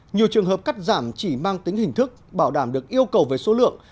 nhiều trường hợp cắt giảm chỉ mang tính hình thức bảo đảm được yêu cầu về số lượng